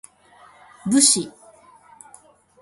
武士